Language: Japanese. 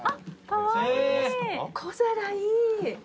小皿いい。